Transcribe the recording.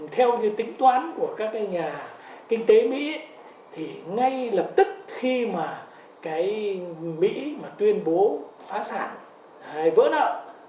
theo như tính toán của các nhà kinh tế mỹ ngay lập tức khi mỹ tuyên bố phá sản vỡ nợ